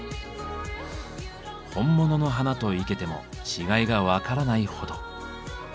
本物の花と生けても違いが分からないほど。